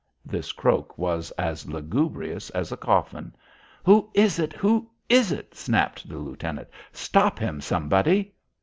This croak was as lugubrious as a coffin. "Who is it? Who is it?" snapped the lieutenant. "Stop him, somebody."